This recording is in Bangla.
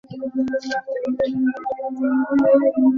ওকে আমার বোনের মতো মরতে দিস না।